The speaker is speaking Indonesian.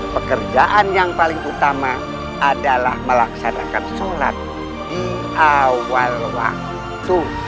pekerjaan yang paling utama adalah melaksanakan sholat di awal waktu